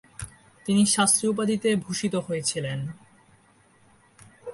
তিনি শাস্ত্রী উপাধিতে ভূষিত হয়েছিলেন।